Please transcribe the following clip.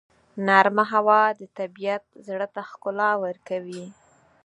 نرمه هوا د طبیعت زړه ته ښکلا ورکوي.